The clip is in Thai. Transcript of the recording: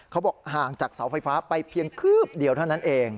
เขาบอกห่างจากเสาไฟฟ้าไปเพียงคืบเดียวเท่านั้นเอง